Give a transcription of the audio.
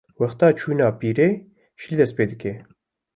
wexta çûyîna pîrê, şilî dest pê dike